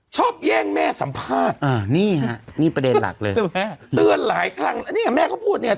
ชอบแย่งแม่สัมภาษณ์นะเนี่ยประเด็นหลักเลย